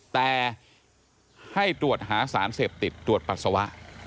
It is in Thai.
แต่ให้ตรวจหาสารเสพติดตรวจปัสสาวะ